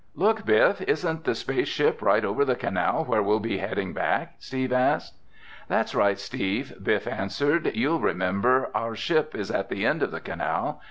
"Look, Biff, isn't the space ship right over the canal where we'll be heading back?" Steve asked. "That's right, Steve," Biff answered. "You'll remember, our ship is at the end of the canal.